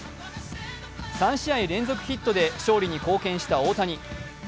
３試合連続ヒットで勝利に貢献した大谷。